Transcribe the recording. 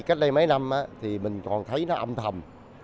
cách đây mấy năm thì mình còn thấy nó âm thầm